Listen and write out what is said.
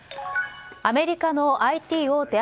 アメリカのＩＴ大手